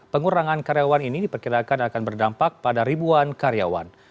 pengurangan karyawan ini diperkirakan akan berdampak pada ribuan karyawan